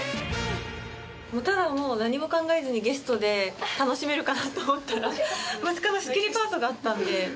ただもう何も考えずにゲストで楽しめるかなと思ったらまさかの仕切りパートがあったので。